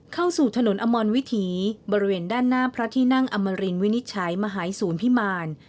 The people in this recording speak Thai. เข้าสู่ถนนอมรวิถีบริเวณด้านหน้าพระที่นั่งอมรินวินิจฉัยมหายศูนย์พิมาร